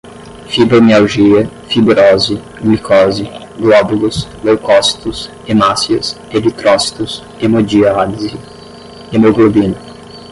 fibromialgia, fibrose, glicose, glóbulos, leucócitos, hemácias, eritrócitos, hemodiálise, hemoglobina